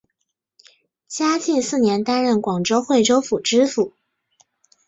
嘉靖四年担任广东惠州府知府。